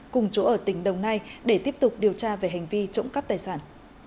cùng chỗ ở tỉnh đồng nai để tiếp tục điều tra về hành vi trộm cắp tài sản